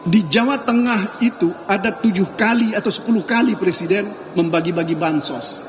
di jawa tengah itu ada tujuh kali atau sepuluh kali presiden membagi bagi bansos